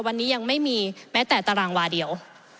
วันนี้ยังไม่มีแม้แต่ตารางวาเดียว